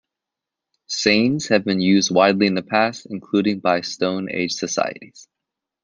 Seines have been used widely in the past, including by stone age societies.